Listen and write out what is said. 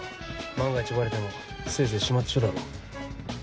万が一バレてもせいぜい始末書だろ。